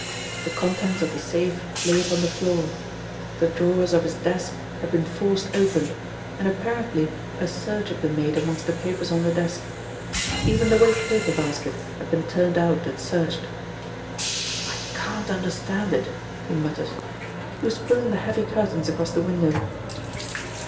The contents of the safe lay upon the floor; the drawers of his desk had been forced open and apparently a search had been made amongst the papers on the desk. Even the waste paper basket had been turned out and searched. "I can't understand it," he muttered. He was pulling the heavy curtains across the window.